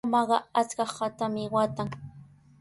Mamaaqa achka haatami waatan.